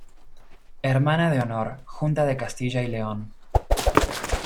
Hermana de Honor: Junta de Castilla y León.